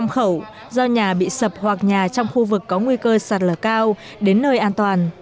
những người bị sập hoặc nhà trong khu vực có nguy cơ sạt lở cao đến nơi an toàn